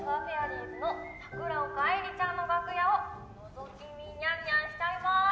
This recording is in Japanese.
リーズの桜丘愛莉ちゃんの楽屋をのぞき見にゃんにゃんしちゃいます。